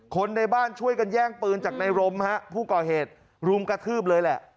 คนในบ้านช่วยกันแย่งปืนจากในรมฮะผู้ก่อเหตุรุมกระทืบเลยแหละ